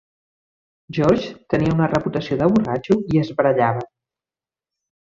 George tenia una reputació de borratxo i es barallava.